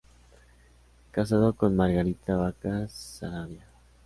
Casado con Margarita Baca Saravia.